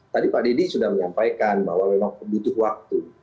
tadi pak dedy sudah menyampaikan bahwa memang butuh waktu